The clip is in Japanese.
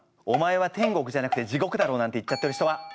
「お前は天国じゃなくて地獄だろ」なんて言っちゃってる人は！